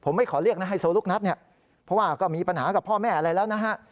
ผมไม่ขอเรียกนะไฮโซลูกนัดเนี่ยเพราะว่าก็มีปัญหากับพ่อแม่อะไรแล้วนะฮะ